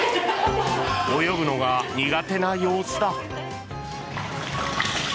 泳ぐのが苦手な様子だ。